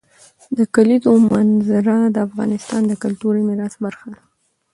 د کلیزو منظره د افغانستان د کلتوري میراث برخه ده.